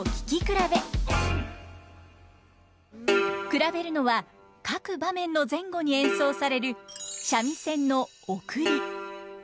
比べるのは各場面の前後に演奏される三味線のヲクリ。